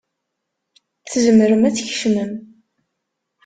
Tzemrem ad d-tkecmem.